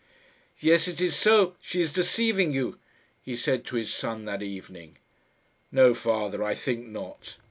"Yes, it is so she is deceiving you," he said to his son that evening. "No father. I think not."